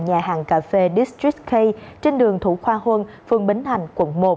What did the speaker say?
nhà hàng cà phê districk k trên đường thủ khoa huân phường bến thành quận một